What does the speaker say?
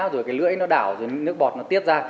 rồi cái lưỡi nó đảo rồi nước bọt nó tiếp ra